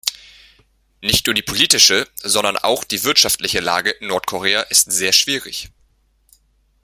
Nicht nur die politische, sondern auch die wirtschaftliche Lage in Nordkorea ist sehr schwierig.